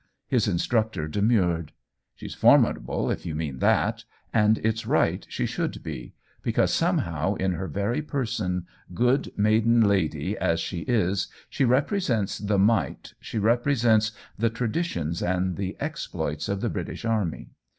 His instructor demurred. " She's formidable, if you mean that, and it's right she should be ; because somehow in her very person, good maiden lady as she is, she represents the might, she repre sents the traditions and the exploits of the British army.